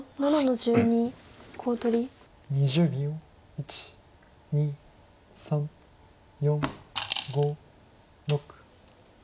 １２３４５６。